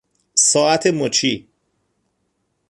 ساعت مچی